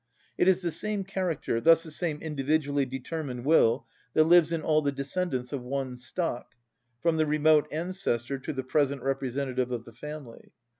It is the same character, thus the same individually determined will, that lives in all the descendants of one stock, from the remote ancestor to the present representative of the family.